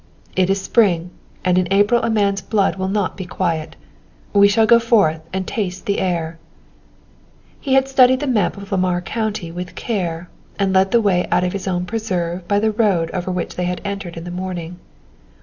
"It is spring, and in April a man's blood will not be quiet. We shall go forth and taste the air." He had studied the map of Lamar County with care, and led the way out of his own preserve by the road over which they had entered in the morning.